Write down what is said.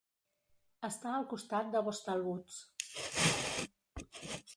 Està al costat de Bostall Woods.